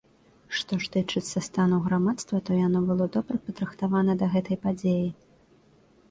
Што ж тычыцца стану грамадства, то яно было добра падрыхтавана да гэтай падзеі.